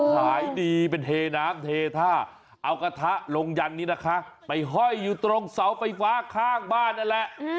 ขายดีเป็นเทน้ำเทท่าเอากระทะลงยันนี้นะคะไปห้อยอยู่ตรงเสาไฟฟ้าข้างบ้านนั่นแหละ